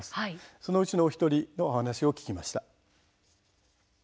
そのうちの１人に話を聞きました。